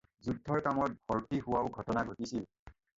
যুদ্ধৰ কামত ভৰ্ত্তি হোৱাও ঘটনা ঘটিছিল।